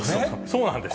そうなんですよ。